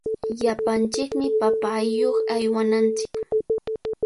Llapanchikmi papa allakuq aywananchik.